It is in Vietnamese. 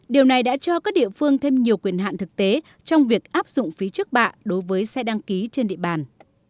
điều này đã cho các địa phương thêm nhiều quyền hạn thực tế trong việc áp dụng phí trước bạ đối với xe đăng ký trên địa bàn